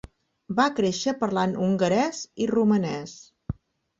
Va créixer parlant hongarès i romanès.